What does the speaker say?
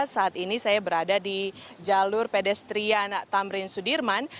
saat ini saya berada di jalur pedestrian tamrin sudirman